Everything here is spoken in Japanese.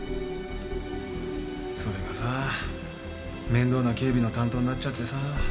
それがさぁ面倒な警備の担当になっちゃってさ。